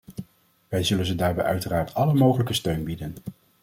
Wij zullen ze daarbij uiteraard alle mogelijke steun bieden.